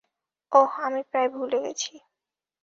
ওহ, আমি প্রায় ভুলে গেছি।